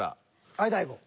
はい大悟。